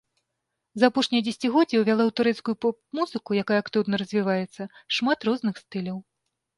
За апошняе дзесяцігоддзе ўвяла ў турэцкую поп-музыку, якая актыўна развіваецца, шмат розных стыляў.